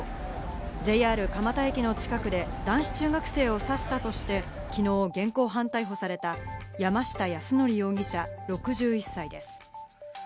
ＪＲ蒲田駅の近くで男子中学生を刺したとして昨日、現行犯逮捕された山下泰範容疑者、６１歳です。